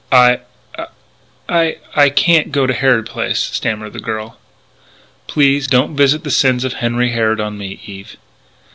"I I can't go to Harrod Place," stammered the girl. "Please don't visit the sins of Henry Harrod on me, Eve."